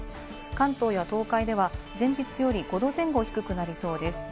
関東や東海では前日より５度前後低くなりそうです。